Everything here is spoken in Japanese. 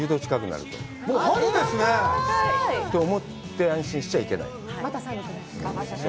もう春ですね。と思って安心しちゃいけない。